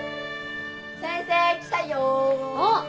・先生来たよ。おっ。